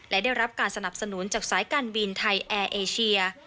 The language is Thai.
และได้รับการสนับสนุนจากสายการบินไทยแอร์เอเชีย